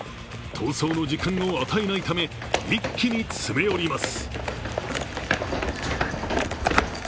逃走の時間を与えないため、一気に詰め寄ります。